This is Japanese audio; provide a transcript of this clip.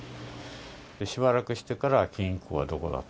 しばらくしてから金庫はどこだと。